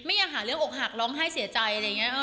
อยากหาเรื่องอกหักร้องไห้เสียใจอะไรอย่างนี้